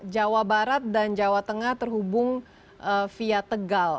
jawa barat dan jawa tengah terhubung dengan jawa tengah